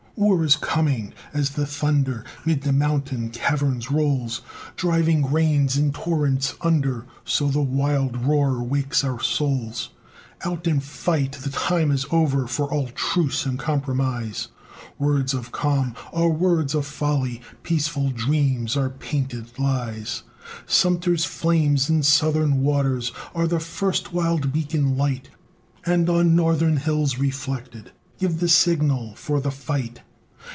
War is coming. As the thunder 'Mid the mountain caverns rolls, Driving rains in torrents under, So the wild roar wakes our souls. Out and fight! The time is over For all truce and compromise, Words of calm are words of folly, Peaceful dreams are painted lies; Sumter's flames in Southern waters Are the first wild beacon light, And on Northern hills reflected Give the signal for the fight.